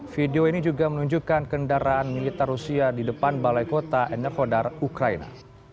video ini juga menunjukkan kendaraan militer rusia di depan balai kota enerhodar ukraina